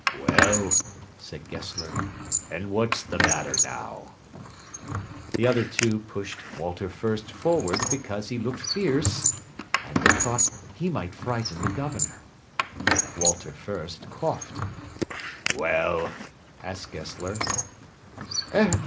"Well," said Gessler, "and what's the matter now?" The other two pushed Walter Fürst forward because he looked fierce, and they thought he might frighten the Governor. Walter Fürst coughed. "Well?" asked Gessler.